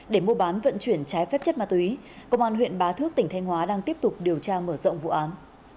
để mua bán vận chuyển trái phép chất ma túy công an huyện bá thước tỉnh thanh hóa đang tiếp tục điều tra mở rộng vụ án